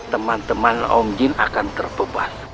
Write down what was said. teman teman om jin akan terbebas